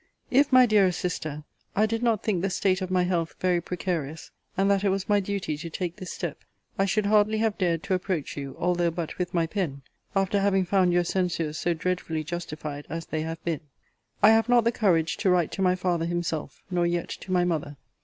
If, my dearest Sister, I did not think the state of my health very precarious, and that it was my duty to take this step, I should hardly have dared to approach you, although but with my pen, after having found your censures so dreadfully justified as they have been. I have not the courage to write to my father himself, nor yet to my mother.